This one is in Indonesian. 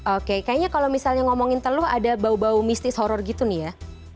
oke kayaknya kalau misalnya ngomongin teluh ada bau bau mistis horror gitu nih ya